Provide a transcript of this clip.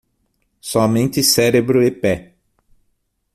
Somente cérebro e pé